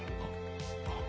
あっ。